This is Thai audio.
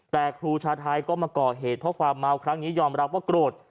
แต่ครูชาไทยก็มาก่อเหตุเพราะความเมาครั้งนี้ยอมรับว่าโกรธ